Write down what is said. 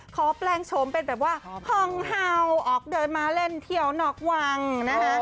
แปลงโฉมเป็นแบบว่าห้องเห่าออกเดินมาเล่นเที่ยวนอกวังนะคะ